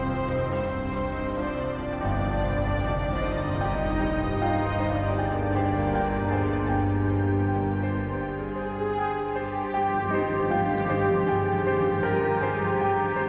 nih muka cantik kamu kotor